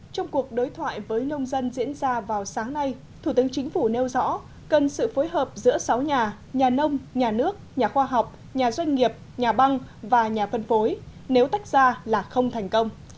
trong cuộc đối thoại với nông dân diễn ra vào sáng nay thủ tướng chính phủ nêu rõ cần sự phối hợp giữa sáu nhà nhà nông nhà nước nhà khoa học nhà doanh nghiệp nhà băng và nhà phân phối nếu tách ra là không thành công